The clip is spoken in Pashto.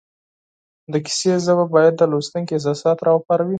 د کیسې ژبه باید د لوستونکي احساسات را وپاروي